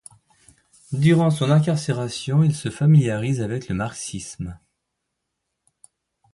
Durant son incarcération, il se familiarise avec le marxisme.